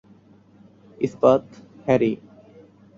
ইস্পাত, হ্যারি।